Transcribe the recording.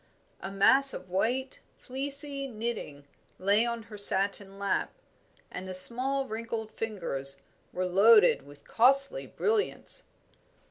A mass of white, fleecy knitting lay on her satin lap, and the small, wrinkled fingers were loaded with costly brilliants.